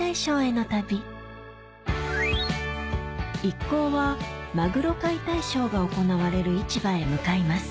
一行はマグロ解体ショーが行われる市場へ向かいます